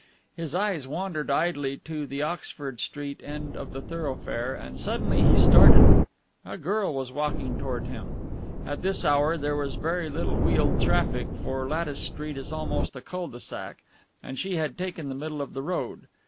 His eyes wandered idly to the Oxford Street end of the thoroughfare, and suddenly he started. A girl was walking toward him. At this hour there was very little wheeled traffic, for Lattice Street is almost a cul de sac, and she had taken the middle of the road.